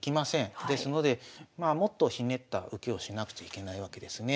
ですのでまあもっとひねった受けをしなくちゃいけないわけですね。